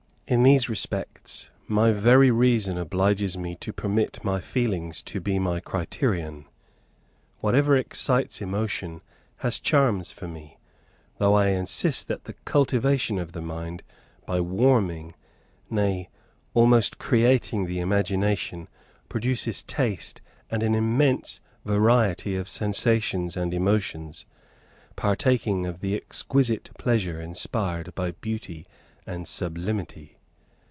In these respects my very reason obliges me to permit my feelings to be my criterion. Whatever excites emotion has charms for me, though I insist that the cultivation of the mind by warming, nay, almost creating the imagination, produces taste and an immense variety of sensations and emotions, partaking of the exquisite pleasure inspired by beauty and sublimity.